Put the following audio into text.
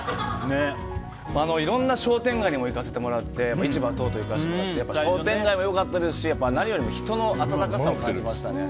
いろんな商店街にも行かせてもらって市場とか行かせてもらって商店街も良かったですし何よりも人の温かさを感じましたね。